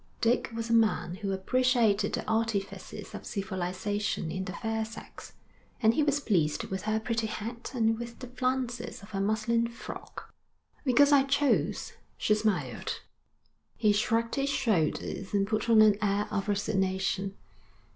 Dick was a man who appreciated the artifices of civilisation in the fair sex, and he was pleased with her pretty hat and with the flounces of her muslin frock. 'Because I chose,' she smiled. He shrugged his shoulders and put on an air of resignation.